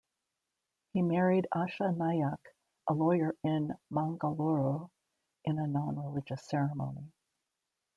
He married Asha Nayak, a lawyer in Mangaluru in a non-religious ceremony.